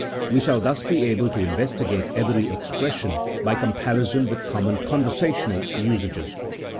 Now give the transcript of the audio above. We shall thus be able to investigate every expression by comparison with common conversational usages.